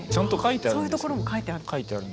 そういうところも書いてある？